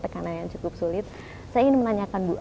saya ingin menanyakan bu